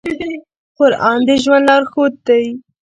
قرآن د ژوند لارښود دی.